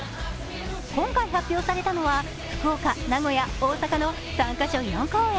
今回発表されたのは福岡、名古屋、大阪の３３カ所４公演。